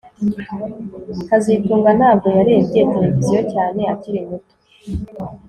kazitunga ntabwo yarebye televiziyo cyane akiri muto